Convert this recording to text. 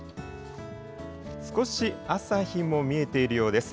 少し朝日も見えているようです。